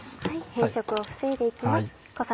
変色を防いでいきます。